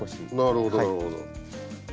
なるほどなるほど。